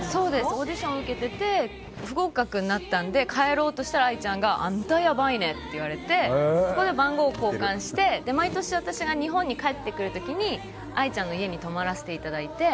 オーディション受けてて不合格になったので帰ろうとしたらＡＩちゃんがあんたやばいねって言われてそこで番号を交換して毎年、私が日本に帰ってくる時にＡＩちゃんの家に泊まらせてもらってて。